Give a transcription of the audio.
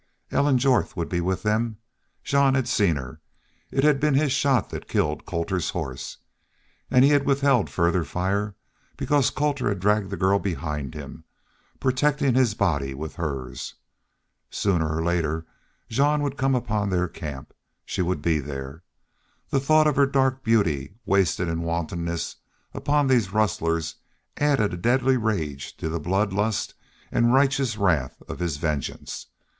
Ellen Jorth would be with them. Jean had seen her. It had been his shot that killed Colter's horse. And he had withheld further fire because Colter had dragged the girl behind him, protecting his body with hers. Sooner or later Jean would come upon their camp. She would be there. The thought of her dark beauty, wasted in wantonness upon these rustlers, added a deadly rage to the blood lust and righteous wrath of his vengeance.